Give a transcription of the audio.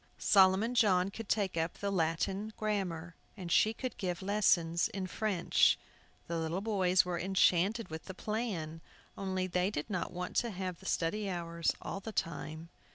Solomon John could take up the Latin grammar, and she could give lessons in French. The little boys were enchanted with the plan, only they did not want to have the study hours all the time.